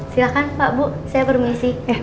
silahkan pak bu saya bermisi